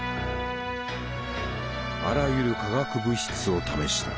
あらゆる化学物質を試した。